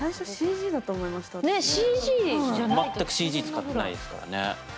全くＣＧ使ってないですからね。